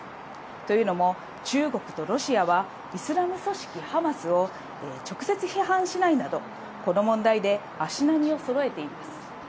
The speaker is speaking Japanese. というのも、中国とロシアは、イスラム組織ハマスを直接批判しないなど、この問題で足並みをそろえています。